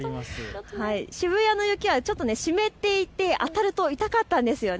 渋谷の雪はちょっと湿っていて当たると痛かったんですよね。